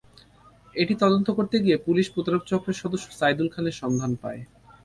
এটি তদন্ত করতে গিয়ে পুলিশ প্রতারক চক্রের সদস্য সাইদুল খানের সন্ধান পায়।